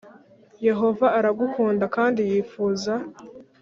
Yehova aragukunda kandi yifuza